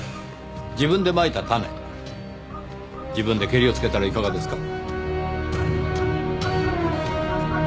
自分でまいた種自分でケリをつけたらいかがですか？